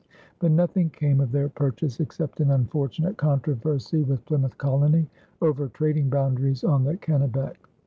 But nothing came of their purchase except an unfortunate controversy with Plymouth colony over trading boundaries on the Kennebec.